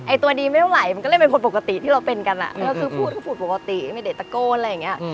ตัวดีไม่เท่าไหร่มันก็เลยเป็นคนปกติที่เราเป็นกันอ่ะมันก็คือพูดคือพูดปกติไม่ได้ตะโกนอะไรอย่างนี้